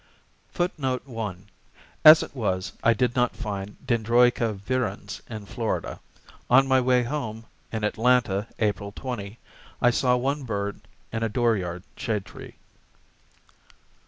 [Footnote 1: As it was, I did not find Dendroica virens in Florida. On my way home, in Atlanta, April 20, I saw one bird in a dooryard shade tree.